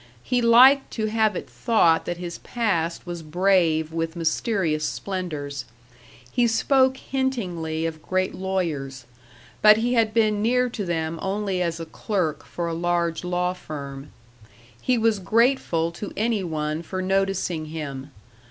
He liked to have it thought that his past was brave with mysterious splendors. He spoke hintingly of great lawyers. But he had been near to them only as a clerk for a large law firm. He was grateful to any one for noticing him.